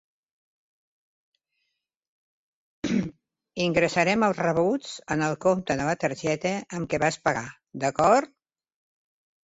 Ingressarem els rebuts en el compte de la targeta amb què vas pagar, d'acord?